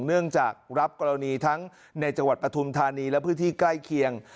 เนื่องจากรับกรณีทั้งในจังหวัดปฐุมธานีและพื้นที่ใกล้เคียง